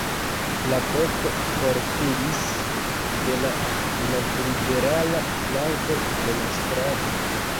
La koko forkuris de la novliberala flanko de la strato.